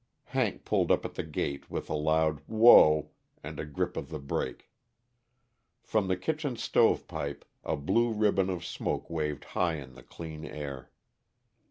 Hank pulled up at the gate with a loud whoa and a grip of the brake. From the kitchen stovepipe a blue ribbon of smoke waved high in the clear air.